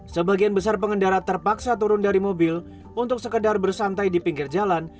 sebagian besar pengendara terpaksa turun dari mobil untuk sekedar bersantai di pinggir jalan